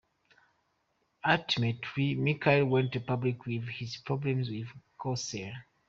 Ultimately, Michaels went public with his problems with Cosell.